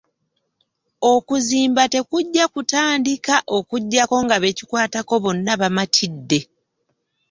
Okuzimba tekujja kutandika okuggyako nga be kikwatako bonna bamatidde.